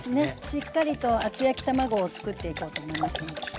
しっかりと厚焼き卵を作っていこうと思います。